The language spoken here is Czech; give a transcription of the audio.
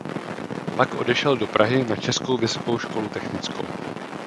Pak odešel do Prahy na Českou vysokou školu technickou.